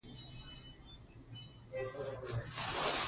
مور د ماشومانو د روغتیا په اړه د ټولنیزو پیښو کې برخه اخلي.